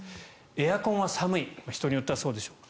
エアコンは寒い人によってはそうでしょう。